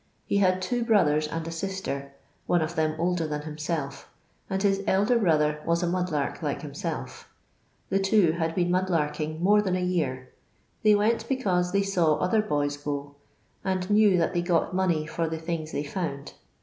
He had two brothers and a sister, one of them older than himself; and his dder brother was a mud lark like himsell The two had been mud larking more than a year; they went because they saw other boys go, and knew that they got money for the tlungs they found.